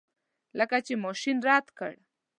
لکه چې ماشین رد کړ.